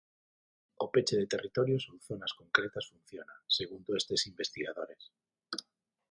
O peche de territorios ou zonas concretas funciona, segundo estes investigadores.